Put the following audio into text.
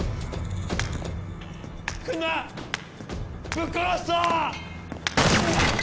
ぶっ殺すぞ！